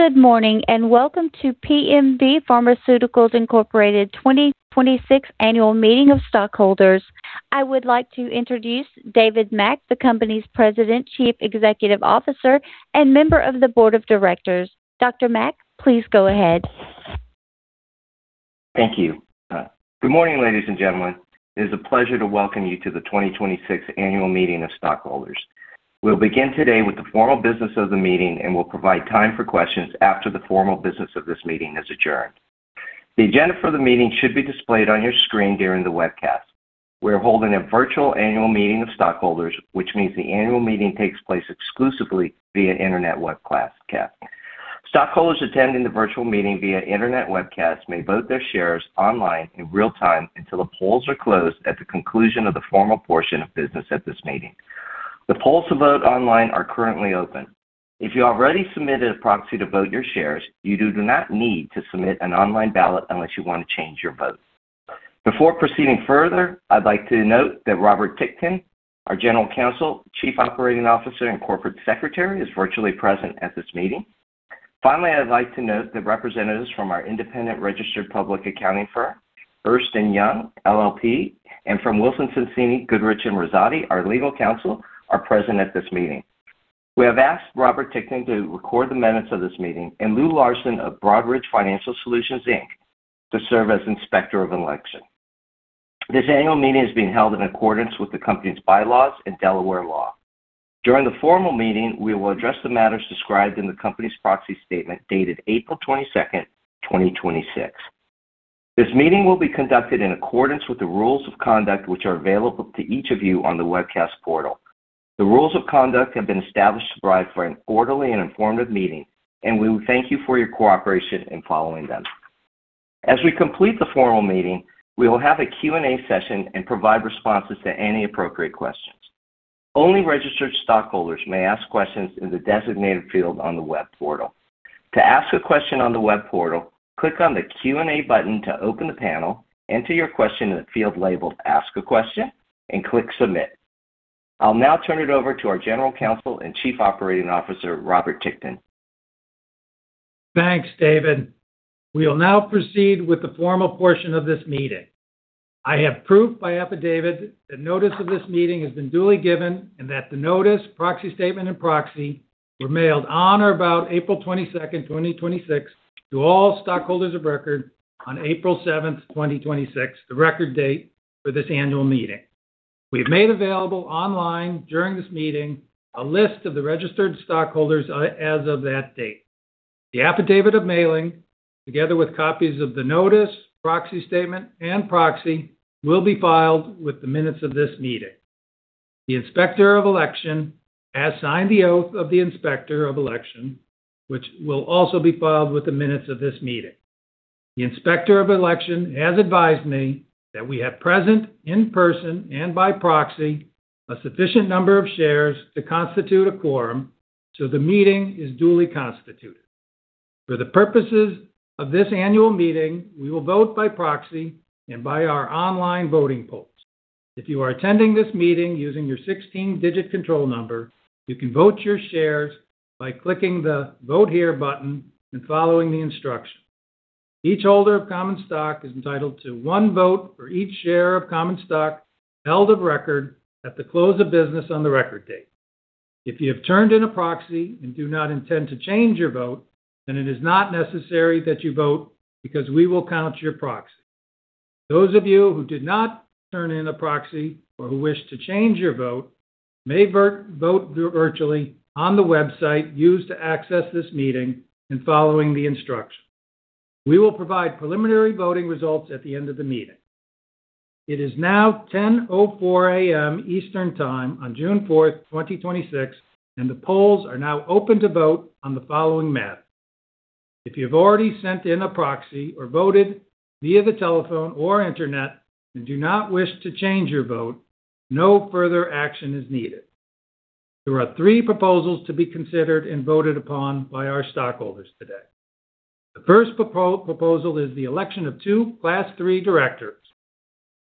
Good morning, welcome to PMV Pharmaceuticals Incorporated 2026 Annual Meeting of Stockholders. I would like to introduce David Mack, the company's President, Chief Executive Officer, and member of the board of directors. Dr. Mack, please go ahead. Thank you. Good morning, ladies and gentlemen. It is a pleasure to welcome you to the 2026 Annual Meeting of Stockholders. We'll begin today with the formal business of the meeting and will provide time for questions after the formal business of this meeting is adjourned. The agenda for the meeting should be displayed on your screen during the webcast. We are holding a virtual annual meeting of stockholders, which means the annual meeting takes place exclusively via internet webcast. Stockholders attending the virtual meeting via internet webcast may vote their shares online in real time until the polls are closed at the conclusion of the formal portion of business at this meeting. The polls to vote online are currently open. If you already submitted a proxy to vote your shares, you do not need to submit an online ballot unless you want to change your vote. Before proceeding further, I'd like to note that Robert Ticktin, our General Counsel, Chief Operating Officer, and Corporate Secretary, is virtually present at this meeting. Finally, I'd like to note that representatives from our independent registered public accounting firm, Ernst & Young, LLP, and from Wilson Sonsini Goodrich & Rosati, our legal counsel, are present at this meeting. We have asked Robert Ticktin to record the minutes of this meeting, and Lou Larson of Broadridge Financial Solutions, Inc. to serve as Inspector of Election. This annual meeting is being held in accordance with the company's bylaws and Delaware law. During the formal meeting, we will address the matters described in the company's proxy statement dated April 22nd, 2026. This meeting will be conducted in accordance with the rules of conduct, which are available to each of you on the webcast portal. The rules of conduct have been established to provide for an orderly and informative meeting, and we thank you for your cooperation in following them. As we complete the formal meeting, we will have a Q&A session and provide responses to any appropriate questions. Only registered stockholders may ask questions in the designated field on the web portal. To ask a question on the web portal, click on the Q&A button to open the panel, enter your question in the field labeled Ask a Question, and click Submit. I'll now turn it over to our General Counsel and Chief Operating Officer, Robert Ticktin. Thanks, David. We will now proceed with the formal portion of this meeting. I have proof by affidavit that notice of this meeting has been duly given and that the notice, proxy statement, and proxy were mailed on or about April 22nd, 2026 to all stockholders of record on April 7th, 2026, the record date for this annual meeting. We have made available online during this meeting a list of the registered stockholders as of that date. The affidavit of mailing, together with copies of the notice, proxy statement, and proxy, will be filed with the minutes of this meeting. The Inspector of Election has signed the oath of the Inspector of Election, which will also be filed with the minutes of this meeting. The Inspector of Election has advised me that we have present in person and by proxy a sufficient number of shares to constitute a quorum, so the meeting is duly constituted. For the purposes of this annual meeting, we will vote by proxy and by our online voting polls. If you are attending this meeting using your 16-digit control number, you can vote your shares by clicking the Vote Here button and following the instructions. Each holder of common stock is entitled to one vote for each share of common stock held of record at the close of business on the record date. If you have turned in a proxy and do not intend to change your vote, then it is not necessary that you vote because we will count your proxy. Those of you who did not turn in a proxy or who wish to change your vote may vote virtually on the website used to access this meeting and following the instructions. We will provide preliminary voting results at the end of the meeting. It is now 10:04 A.M. Eastern Time on June 4th, 2026. The polls are now open to vote on the following matters. If you've already sent in a proxy or voted via the telephone or internet and do not wish to change your vote, no further action is needed. There are three proposals to be considered and voted upon by our stockholders today. The first proposal is the election of two Class III directors.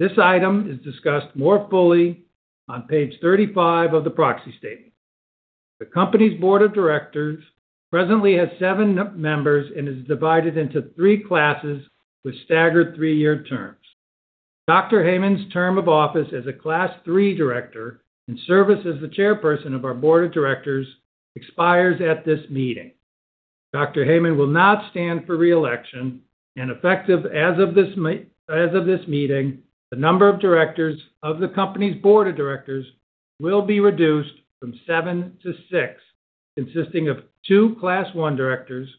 This item is discussed more fully on page 35 of the proxy statement. The company's board of directors presently has seven members and is divided into three classes with staggered three-year terms. Dr. Heyman's term of office as a Class III director and service as the chairperson of our board of directors expires at this meeting. Dr. Heyman will not stand for re-election. Effective as of this meeting, the number of directors of the company's board of directors will be reduced from seven to six, consisting of two Class I directors,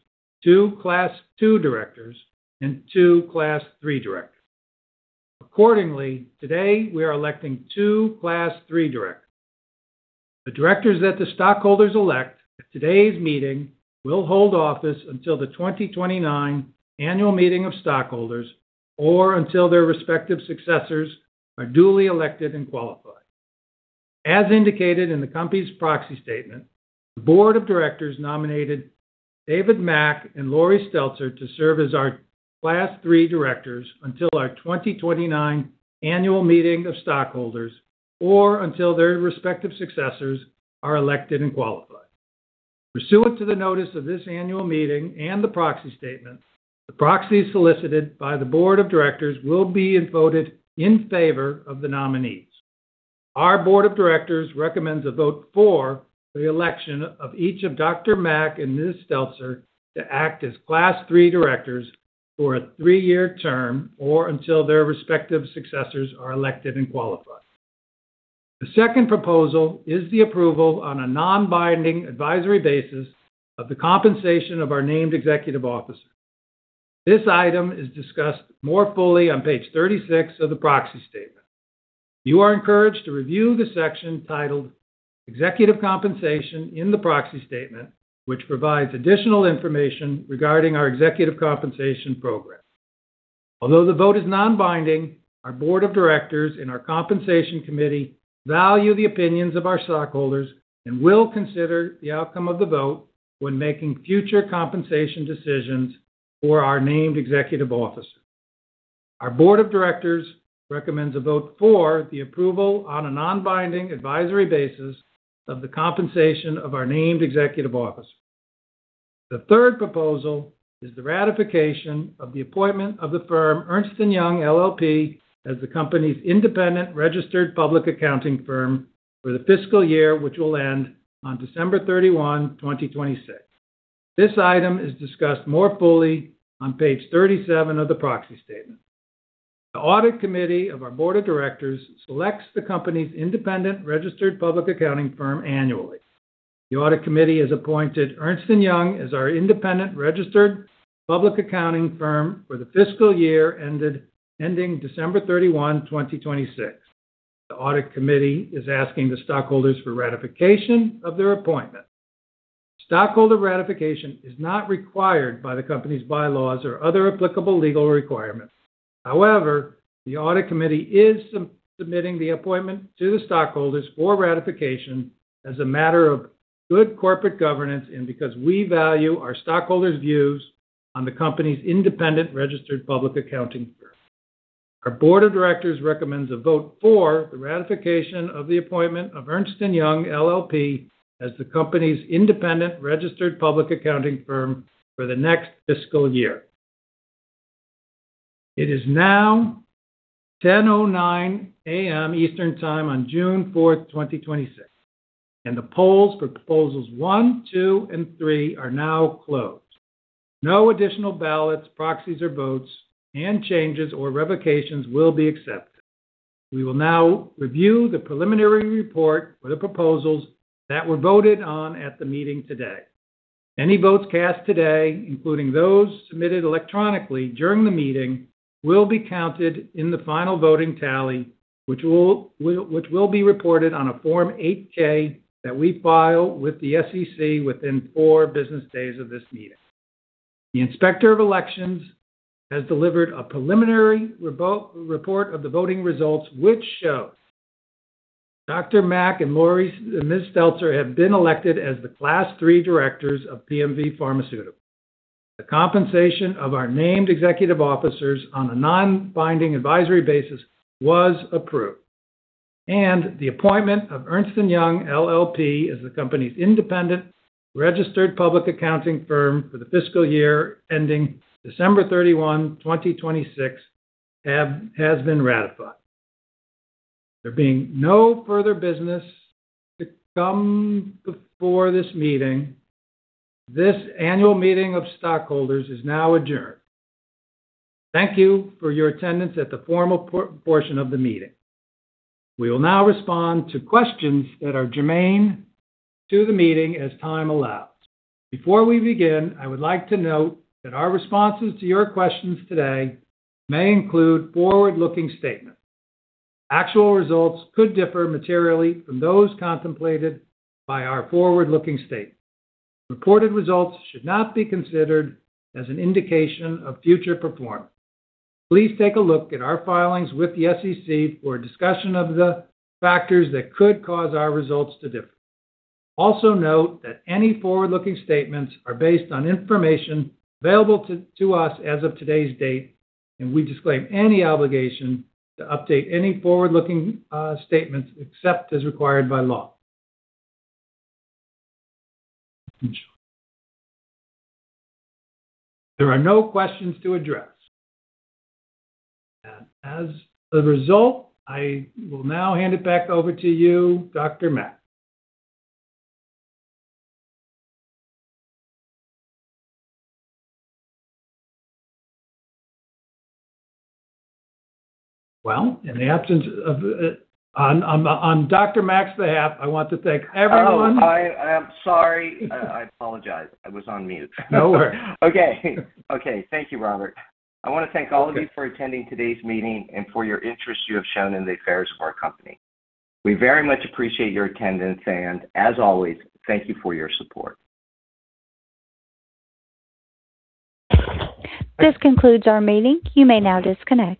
two Class II directors, and two Class III directors. Accordingly, today, we are electing two Class III directors. The directors that the stockholders elect at today's meeting will hold office until the 2029 annual meeting of stockholders or until their respective successors are duly elected and qualified. As indicated in the company's proxy statement, the board of directors nominated David Mack and Laurie Stelzer to serve as our Class III directors until our 2029 annual meeting of stockholders or until their respective successors are elected and qualified. Pursuant to the notice of this annual meeting and the proxy statement, the proxies solicited by the board of directors will be voted in favor of the nominees. Our board of directors recommends a vote for the election of each of Dr. Mack and Ms. Stelzer to act as Class III directors for a three-year term, or until their respective successors are elected and qualified. The second proposal is the approval on a non-binding advisory basis of the compensation of our named executive officers. This item is discussed more fully on page 36 of the proxy statement. You are encouraged to review the section titled "Executive Compensation" in the proxy statement, which provides additional information regarding our executive compensation program. Although the vote is non-binding, our board of directors and our compensation committee value the opinions of our stockholders and will consider the outcome of the vote when making future compensation decisions for our named executive officers. Our board of directors recommends a vote for the approval on a non-binding advisory basis of the compensation of our named executive officers. The third proposal is the ratification of the appointment of the firm Ernst & Young LLP as the company's independent registered public accounting firm for the fiscal year, which will end on December 31, 2026. This item is discussed more fully on page 37 of the proxy statement. The audit committee of our board of directors selects the company's independent registered public accounting firm annually. The audit committee has appointed Ernst & Young as our independent registered public accounting firm for the fiscal year ending December 31, 2026. The audit committee is asking the stockholders for ratification of their appointment. Stockholder ratification is not required by the company's bylaws or other applicable legal requirements. However, the audit committee is submitting the appointment to the stockholders for ratification as a matter of good corporate governance and because we value our stockholders' views on the company's independent registered public accounting firm. Our board of directors recommends a vote for the ratification of the appointment of Ernst & Young LLP as the company's independent registered public accounting firm for the next fiscal year. It is now 10:09 A.M. Eastern Time on June 4th, 2026, and the polls for proposals one, two, and three are now closed. No additional ballots, proxies, or votes and changes or revocations will be accepted. We will now review the preliminary report for the proposals that were voted on at the meeting today. Any votes cast today, including those submitted electronically during the meeting, will be counted in the final voting tally, which will be reported on a Form 8-K that we file with the SEC within four business days of this meeting. The Inspector of Elections has delivered a preliminary report of the voting results, which shows Dr. Mack and Ms. Stelzer have been elected as the Class III directors of PMV Pharmaceuticals. The compensation of our named executive officers on a non-binding advisory basis was approved, and the appointment of Ernst & Young LLP as the company's independent registered public accounting firm for the fiscal year ending December 31, 2026, has been ratified. There being no further business to come before this meeting, this annual meeting of stockholders is now adjourned. Thank you for your attendance at the formal portion of the meeting. We will now respond to questions that are germane to the meeting as time allows. Before we begin, I would like to note that our responses to your questions today may include forward-looking statements. Actual results could differ materially from those contemplated by our forward-looking statements. Reported results should not be considered as an indication of future performance. Please take a look at our filings with the SEC for a discussion of the factors that could cause our results to differ. Also note that any forward-looking statements are based on information available to us as of today's date, and we disclaim any obligation to update any forward-looking statements except as required by law. There are no questions to address. As a result, I will now hand it back over to you, Dr. Mack. Well, on Dr. Mack's behalf, I want to thank everyone. Oh, I am sorry. I apologize. I was on mute. No worries. Okay. Thank you, Robert. I want to thank all of you for attending today's meeting and for your interest you have shown in the affairs of our company. We very much appreciate your attendance, and as always, thank you for your support. This concludes our meeting. You may now disconnect.